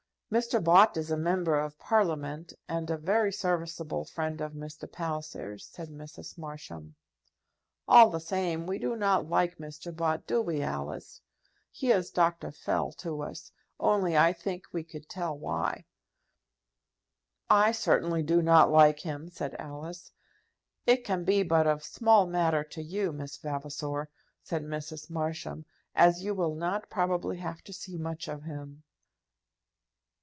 "Mr. Bott is a Member of Parliament, and a very serviceable friend of Mr. Palliser's," said Mrs. Marsham. "All the same; we do not like Mr. Bott do we, Alice? He is Doctor Fell to us; only I think we could tell why." "I certainly do not like him," said Alice. "It can be but of small matter to you, Miss Vavasor," said Mrs. Marsham, "as you will not probably have to see much of him."